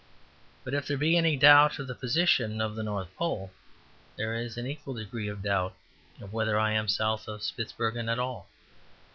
But if there be any doubt of the position of the North Pole, there is in equal degree a doubt of whether I am South of Spitzbergen at all.